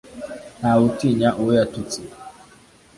ntawe utinya uwo yatutse